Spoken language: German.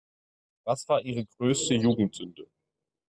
Was war Ihre größte Jugendsünde?